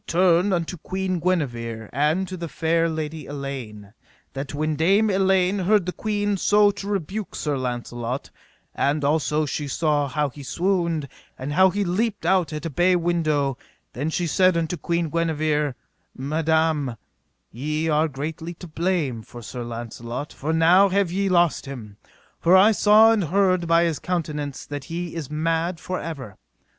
Now turn we unto Queen Guenever and to the fair Lady Elaine, that when Dame Elaine heard the queen so to rebuke Sir Launcelot, and also she saw how he swooned, and how he leaped out at a bay window, then she said unto Queen Guenever: Madam, ye are greatly to blame for Sir Launcelot, for now have ye lost him, for I saw and heard by his countenance that he is mad for ever.